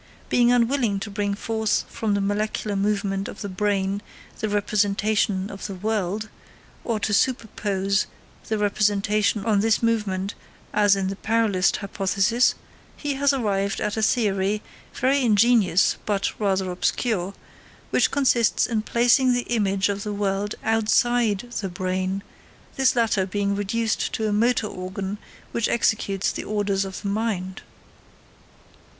Being unwilling to bring forth from the molecular movement of the brain the representation of the world, or to superpose the representation on this movement as in the parallelist hypothesis, he has arrived at a theory, very ingenious but rather obscure, which consists in placing the image of the world outside the brain, this latter being reduced to a motor organ which executes the orders of the mind.